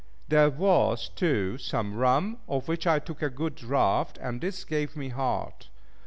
There was, too, some rum, of which I took a good draught, and this gave me heart.